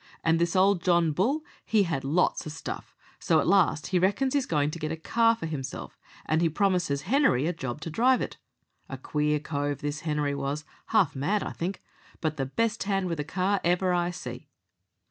And this old John Bull he had lots of stuff, so at last he reckons he's going to get a car for himself, and he promises Henery a job to drive it. A queer cove this Henery was half mad, I think, but the best hand with a car ever I see."